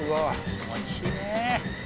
気持ちいいね！